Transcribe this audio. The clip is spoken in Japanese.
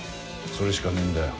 それしかねえんだよ